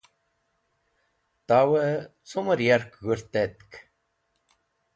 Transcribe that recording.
Tawẽ cumẽr yark g̃hũrtẽk.